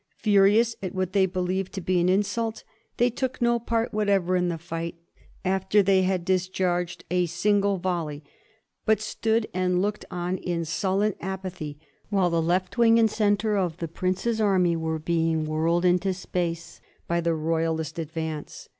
Furious at what they believed to be an in sult, they took no part whatever in the fight after they had discharged a single volley, but stood and looked on in sullen apathy while the left wing and centre of the prince's army were being whirled into space by the Royal ist advance.